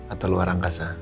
atau luar angkasa